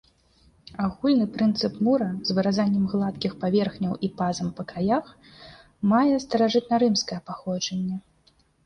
Агульны прынцып мура з выразаннем гладкіх паверхняў і пазам па краях мае старажытнарымскае паходжанне.